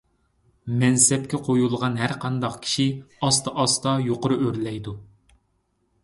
مەنسەپكە قويۇلغان ھەرقانداق كىشى ئاستا - ئاستا يۇقىرى ئۆرلەيدۇ.